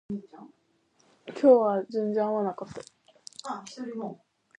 In analyzing housing policies, we make use of market structures e.g., perfect market structure.